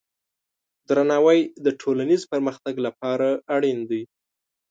درناوی د ټولنیز پرمختګ لپاره اړین دی.